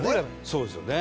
そうですよね。